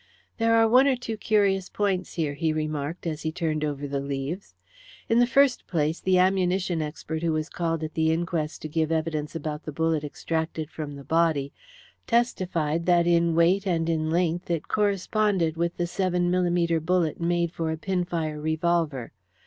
"There are one or two curious points here," he remarked, as he turned over the leaves. "In the first place, the ammunition expert who was called at the inquest to give evidence about the bullet extracted from the body testified that in weight and in length it corresponded with the seven millimetre bullet made for a pinfire revolver.